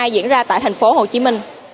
diễn ra tại tp hcm